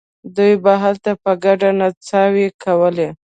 دوی به هلته په ګډه نڅاوې کولې.